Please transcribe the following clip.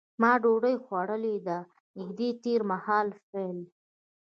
ما ډوډۍ خوړلې ده نږدې تېر مهال فعل دی.